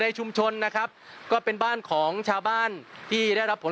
ชุมชนนะครับก็เป็นบ้านของชาวบ้านที่ได้รับผล